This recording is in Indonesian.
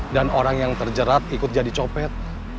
dan orang yang terjerat ikut jadi copet